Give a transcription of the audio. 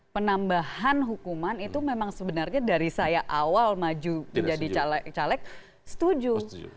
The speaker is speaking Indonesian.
penambahan hukuman itu memang sebenarnya dari saya awal maju menjadi caleg setuju